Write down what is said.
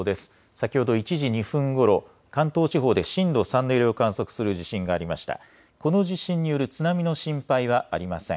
先ほど１時２分ごろ関東地方で震度３の揺れを観測する地震がありました。